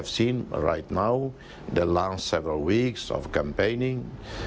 ส่วนสองสัปดาห์จากที่เริ่มสร้าง